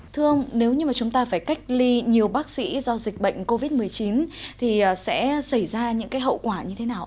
thương nếu như chúng ta phải cách ly nhiều bác sĩ do dịch bệnh covid một mươi chín thì sẽ xảy ra những hậu quả như thế nào